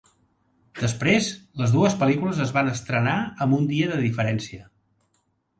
Després, les dues pel·lícules es van estrenar amb un dia de diferència.